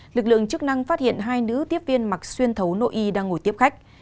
lực lượng chức năng phát hiện hai nữ tiếp viên mặc xuyên thấu no y đang ngồi tiếp khách